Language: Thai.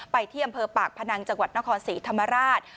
ที่อำเภอปากพนังจังหวัดนครศรีธรรมราช